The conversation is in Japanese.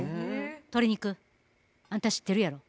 鶏肉あんた知ってるやろ。